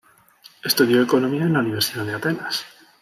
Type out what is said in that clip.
Estudió economía en la Universidad de Atenas.